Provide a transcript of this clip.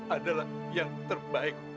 adalah yang terbaik